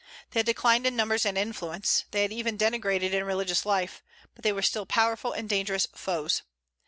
They had declined in numbers and influence; they had even degenerated in religious life; but they were still powerful and dangerous foes.